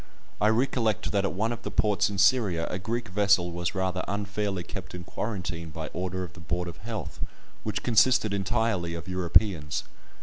I recollect that at one of the ports in Syria a Greek vessel was rather unfairly kept in quarantine by order of the Board of Health, which consisted entirely of Europeans.